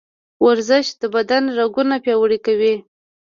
ورزش د بدن رګونه پیاوړي کوي.